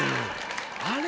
あれ？